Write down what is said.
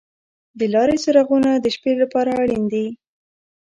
د لارې څراغونه د شپې لپاره اړین دي.